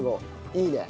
いいね。